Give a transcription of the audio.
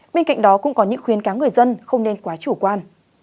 bên cạnh đó cũng có những khuyến cáo người dân không nên quá chủ quan